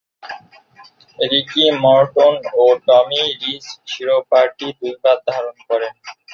Ricky Morton ও Tommy Rich শিরোপাটি দুইবার ধারণ করেন।